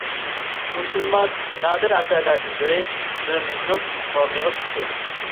ئۇنتۇلماس نادىر ئەسەرلەردىن بىرى — «مۆمىننىڭ مومىغا چىقىشى».